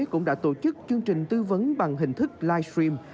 cũng đã tổ chức chương trình tư vấn bằng hình thức live stream